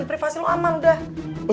privasi lo aman udah